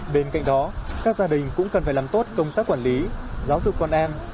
bên cạnh đó các gia đình cũng cần phải làm tốt công tác quản lý giáo dục con em